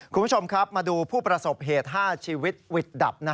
คุณผู้ชมครับมาดูผู้ประสบเหตุ๕ชีวิตวิดดับ